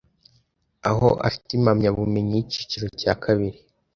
aho afite impamya bumenyi y’icyiciro cya kabiri